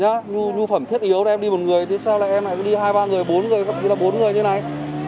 nhá nhu phẩm thiết yếu là em đi một người thì sao lại em lại đi hai ba người bốn người tức là bốn người như này